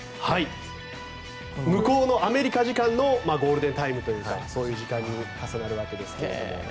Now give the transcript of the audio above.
向こうのアメリカ時間のゴールデンタイムというかそういう時間に重なるわけですが。